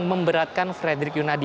yang memperatkan fredri yunadi